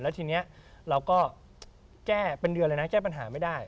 ทีนี้เราก็แก้เป็นเดือนเลยนะแก้ปัญหาไม่ได้